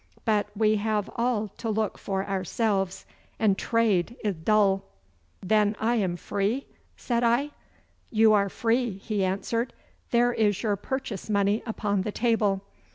But we have all to look for ourselves, and trade is dull.' 'Then I am free!' said I. 'You are free,' he answered. 'There is your purchase money upon the table.